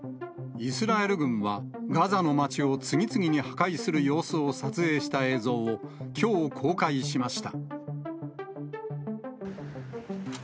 イスラエル軍はガザの街を次々に破壊する様子を撮影した映像を、きょう公開しました。